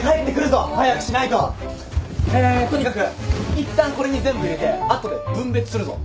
いったんこれに全部入れて後で分別するぞ。